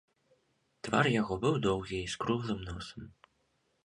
Твар яго быў доўгі і з круглым носам.